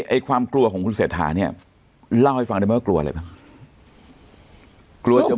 ความกลัวของคุณเศรษฐาเนี่ยเล่าให้ฟังได้ไหมว่ากลัวอะไรบ้าง